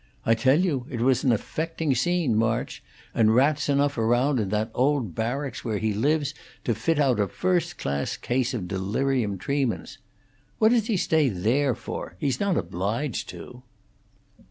I tell you it was an affecting scene, March; and rats enough round in that old barracks where he lives to fit out a first class case of delirium tremens. What does he stay there for? He's not obliged to?"